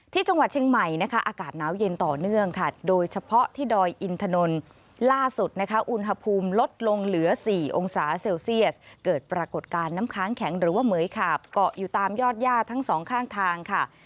ที่จังหวัดเชียงใหม่นะคะอากาศหนาวเย็นต่อเนื่องค่ะโดยเฉพาะที่ดอยอินถนนล่าสุดนะคะอุณหภูมิลดลงเหลือ๔องศาเซลเซียสเกิดปรากฏการณ์น้ำค้างแข็งหรือว่าเหมือยขาบเกาะอยู่ตามยอดย่าทั้งสองข้างทางค่ะ